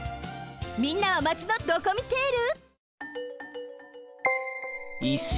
みんなはマチのドコミテール？